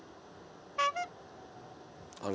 あれ？